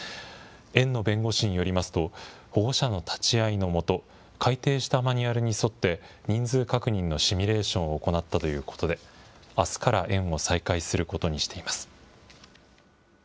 園の弁護士によりますと、保護者の立ち会いの下、改定したマニュアルに沿って、人数確認のシミュレーションを行ったということで、あすから園を再開することにしています。